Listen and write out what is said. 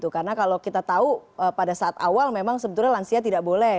karena kalau kita tahu pada saat awal memang sebetulnya lansia tidak boleh